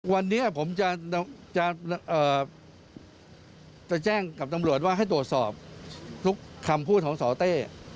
วันนี้ผมจะแจ้งกับตำรวจว่าให้ตรวจสอบทุกคำพูดของสอเต้